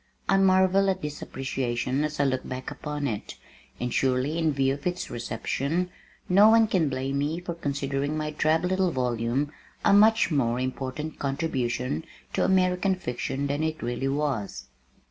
I marvel at this appreciation as I look back upon it, and surely in view of its reception, no one can blame me for considering my drab little volume a much more important contribution to American fiction than it really was.